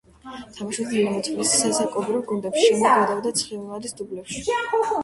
თამაშობდა „დინამო თბილისის“ ასაკობრივ გუნდებში, შემდეგ გადავიდა „ცხინვალის“ დუბლებში.